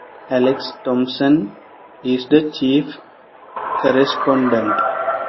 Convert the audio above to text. Alex Thomson is the chief correspondent.